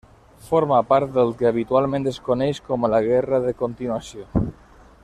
Forma part del que habitualment es coneix com la Guerra de Continuació.